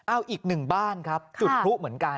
เอาอีกหนึ่งบ้านครับจุดพลุเหมือนกัน